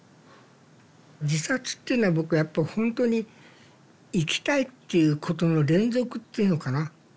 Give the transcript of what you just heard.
自殺っていうのは僕はやっぱほんとに生きたいっていうことの連続っていうのかな。